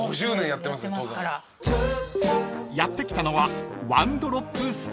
［やって来たのは］